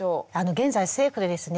現在政府でですね